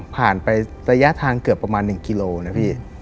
ไประยะทางเกือบประมาณ๑กิโลนะพี่